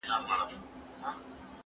زه پرون موبایل کاروم!!